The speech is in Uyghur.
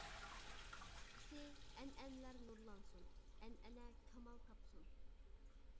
قىسقىسى ئەنئەنىلەر نۇرلانسۇن، ئەنئەنە كامال تاپسۇن.